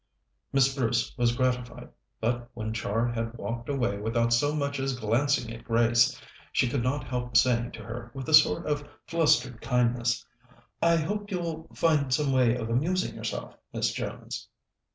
Miss Bruce was gratified; but when Char had walked away without so much as glancing at Grace, she could not help saying to her, with a sort of flustered kindness: "I hope you'll find some way of amusing yourself, Miss Jones."